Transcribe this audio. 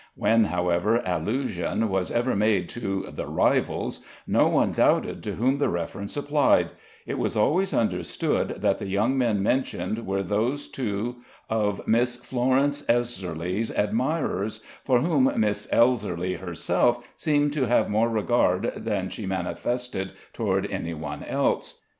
When, however, allusion was ever made to "the rivals" no one doubted to whom the reference applied: it was always understood that the young men mentioned were those two of Miss Florence Elserly's admirers for whom Miss Elserly herself seemed to have more regard than she manifested toward any one else.